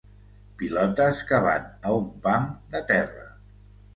Pilotes que van a un pam de terra.